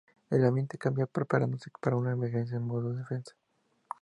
El ambiente cambia a preparándose para una emergencia en modo defensa.